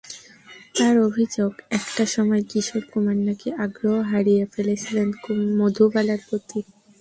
তাঁর অভিযোগ, একটা সময় কিশোর কুমার নাকি আগ্রহ হারিয়ে ফেলেছিলেন মধুবালার প্রতি।